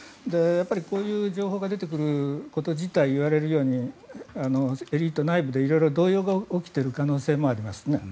こういう情報が出てくること自体言われるようにエリート内部で色々動揺が起きている可能性もありますね。